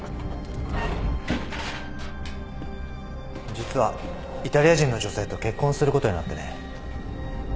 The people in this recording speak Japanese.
実はイタリア人の女性と結婚することになってね。